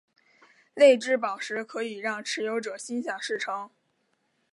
泪之宝石可以让持有者心想事成。